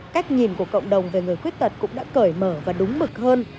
cách nhìn của cộng đồng về người khuyết tật cũng đã cởi mở và đúng mực hơn